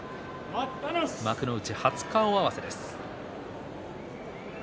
幕内初顔合わせです。